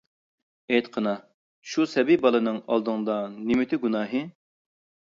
ئېيتقىنا، شۇ سەبىي بالىنىڭ، ئالدىڭدا نېمىتى گۇناھى؟ !